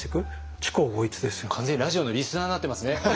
完全にラジオのリスナーになってますね。